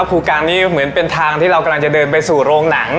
ครูกลางนี้เหมือนเป็นทางที่เรากำลังจะเดินไปสู่โรงหนัง